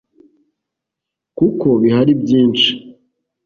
kuko bihari byinshi